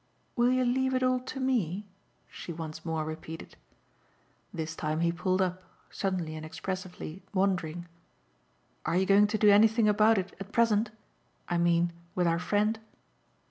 "Will you leave it all to ME?" she once more repeated. This time he pulled up, suddenly and expressively wondering. "Are you going to do anything about it at present? I mean with our friend?"